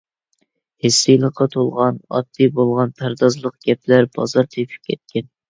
ھىسسىيلىققا تولغان ئاددىي بولغان پەردازلىق گەپلەر بازار تېپىپ كەتكەن.